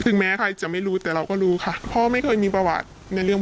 น่าจะไม่ทำเหรอ